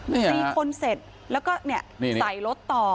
นี่ค่ะตีคนเสร็จแล้วก็เนี้ยใส่รถต่อ